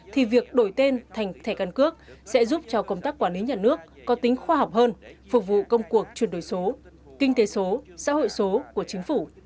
thì việc đổi tên thành thẻ căn cước sẽ giúp cho công tác quản lý nhà nước có tính khoa học hơn phục vụ công cuộc chuyển đổi số kinh tế số xã hội số của chính phủ